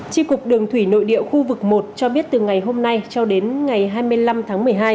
tri cục đường thủy nội địa khu vực một cho biết từ ngày hôm nay cho đến ngày hai mươi năm tháng một mươi hai